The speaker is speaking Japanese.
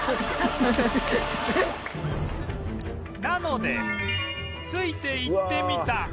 なのでついていってみた